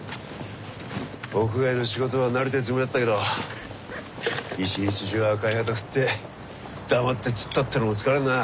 屋外の仕事は慣れてるつもりだったけど一日中赤い旗振って黙って突っ立ってるのも疲れるな。